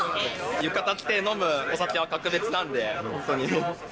浴衣着て飲むお酒は格別なんで、本当に。